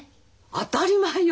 当たり前よ。